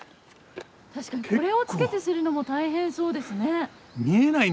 確かにこれをつけてするのも大変そうですね。